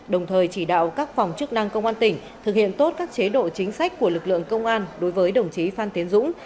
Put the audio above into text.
đồng thời chỉ đạo các phòng chức năng công an tỉnh thực hiện tốt các chế độ chính sách của lực lượng công an đối với đồng chí phan tiến dũng